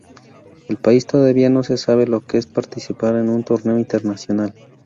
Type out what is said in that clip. El país todavía no sabe lo que es participar en un torneo internacional.